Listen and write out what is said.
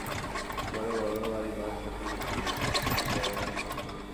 বড় বড় বাড়িঘর থাকিলে কি হইবে, এখানে বন নাই মোটেই।